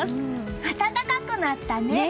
暖かくなったね！